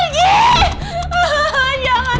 jangan ewo jangan